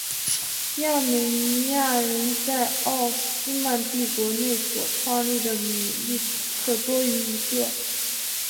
亚美尼亚人在奥斯曼帝国内所创立的米利特多于一个。